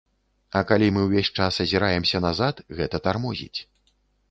А калі мы ўвесь час азіраемся назад, гэта тармозіць.